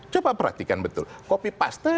coba perhatikan betul kopi paste